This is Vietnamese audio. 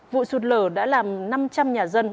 vụ sạt lở đã làm năm trăm linh nhà dân